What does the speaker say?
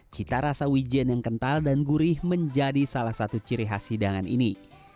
cita rasa wijen yang kental dan gurih menjadi salah satu ciri khas hidangan ini